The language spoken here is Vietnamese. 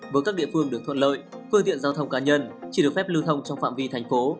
với các địa phương được thuận lợi phương tiện giao thông cá nhân chỉ được phép lưu thông trong phạm vi thành phố